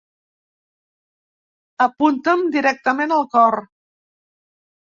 »—Apunta'm directament al cor.